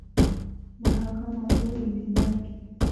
Mahakama Kuu ilibaki.